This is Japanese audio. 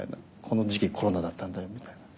この時期コロナだったんだよみたいな。